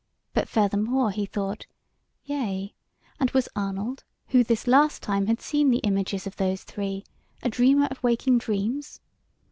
But furthermore he thought, Yea, and was Arnold, who this last time had seen the images of those three, a dreamer of waking dreams?